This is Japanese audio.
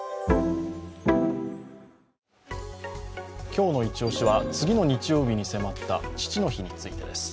今日のイチオシは次の日曜日に迫った父の日についてです。